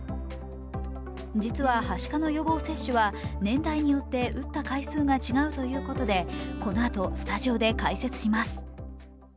実は、はしかの予防接種は年代によって打った回数が違うということで、このあとスタジオで解説します。